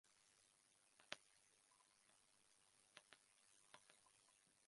This flag was flown beneath the national ensign.